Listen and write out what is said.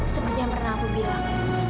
seperti yang pernah aku bilang